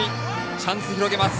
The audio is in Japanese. チャンス、広げます。